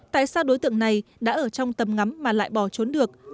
tại sao đối tượng này đã ở trong tầm ngắm mà lại bỏ trốn được